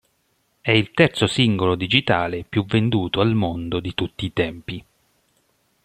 È il terzo singolo digitale più venduto al mondo di tutti i tempi.